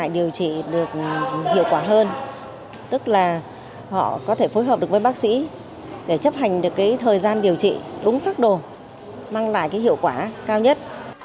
để chấp hành được thời gian điều trị đúng pháp đồ mang lại hiệu quả cao nhất